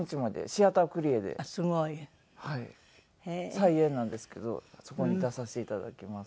再演なんですけどそこに出させて頂きます。